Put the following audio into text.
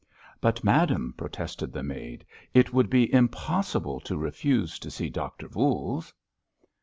"But, madam," protested the maid, "it would be impossible to refuse to see Doctor Voules!"